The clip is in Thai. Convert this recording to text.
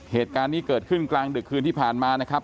เหตุการณ์นี้เกิดขึ้นกลางดึกคืนที่ผ่านมานะครับ